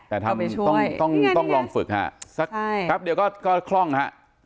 แต่ทำต้องลองฝึกครับสักครับเดี๋ยวก็คล่องครับ